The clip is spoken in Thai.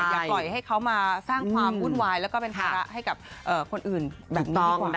อย่าปล่อยให้เขามาสร้างความวุ่นวายแล้วก็เป็นภาระให้กับคนอื่นแบบนี้ดีกว่า